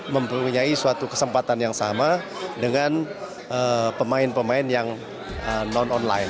mempunyai suatu kesempatan yang sama dengan pemain pemain yang non online